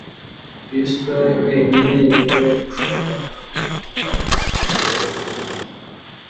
Kristo wenyine ni we ushobora kweza urusengero rw'umutima.